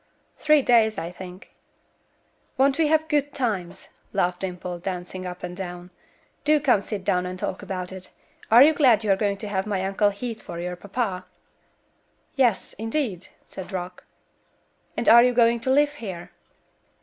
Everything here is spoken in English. "Three days, I think." "Won't we have good times?" laughed Dimple, dancing up and down. "Do come sit down and talk about it. Are you glad you are going to have my Uncle Heath for your papa?" "Yes, indeed," said Rock. "And are you going to live here?"